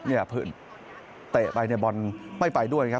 อย่าพื้นเตะไปในบอลไม่ไปด้วยนะครับ